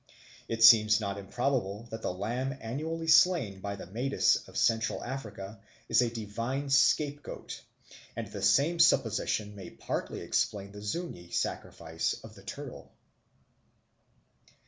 It seems not improbable that the lamb annually slain by the Madis of Central Africa is a divine scapegoat, and the same supposition may partly explain the Zuni sacrifice of the turtle.